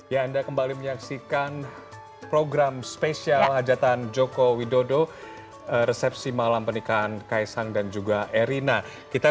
ya anda kembali menyaksikan program spesial hajatan joko widodo resepsi malam pernikahan kaisang dan juga erina